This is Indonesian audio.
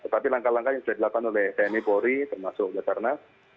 tapi langkah langkah yang sudah dilakukan oleh tni polri termasuk basarnas